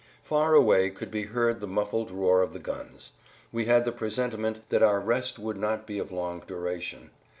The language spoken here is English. Far away could be heard the muffled roar of the guns. We had the presentiment that our rest would not be of long duration.